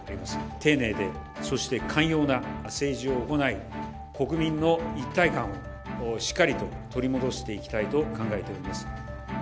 丁寧でそして寛容な政治を行い、国民の一体感をしっかりと取り戻していきたいと考えております。